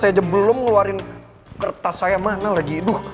saya belum ngeluarin kertas saya mana lagi